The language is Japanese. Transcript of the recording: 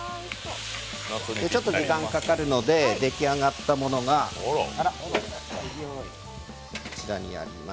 ちょっと時間かかるので出来上がったものがこちらにあります。